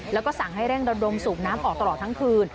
แล้วก็สั่งให้เร่งระดมสูบน้ำออกตลอดทั้งคืน